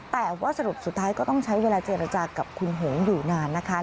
แต่ว่าสรุปสุดท้ายก็ต้องใช้เวลาเจรจากับคุณหงอยู่นานนะคะ